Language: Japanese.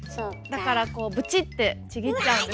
だからブチッてちぎっちゃうんです。